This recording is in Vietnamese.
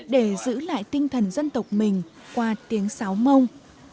để giữ lại tinh thần dân tộc mình qua tiếng sáo mông